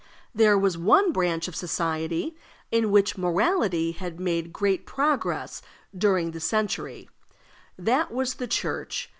There was one branch of society in which morality had made great progress during the century: that was the Church.